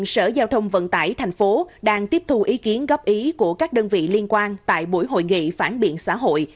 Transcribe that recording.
sở giao thông vận tải thành phố đang tiếp thu ý kiến góp ý của các đơn vị liên quan tại buổi hội nghị phản biện xã hội